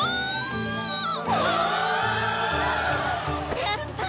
やったー！